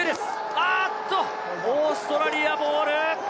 おっと、オーストラリアボール。